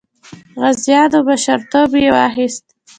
غازیانو مشرتوب یې واخیست.